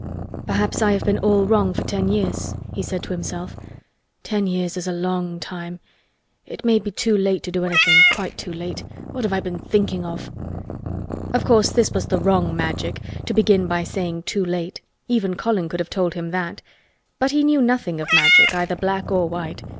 "Perhaps I have been all wrong for ten years," he said to himself. "Ten years is a long time. It may be too late to do anything—quite too late. What have I been thinking of!" Of course this was the wrong Magic—to begin by saying "too late." Even Colin could have told him that. But he knew nothing of Magic—either black or white.